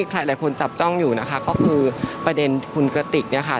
หลายคนจับจ้องอยู่นะคะก็คือประเด็นคุณกระติกเนี่ยค่ะ